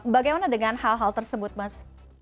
bagaimana dengan hal hal tersebut mas